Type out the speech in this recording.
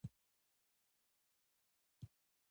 ښارونه د ځانګړې جغرافیې استازیتوب کوي.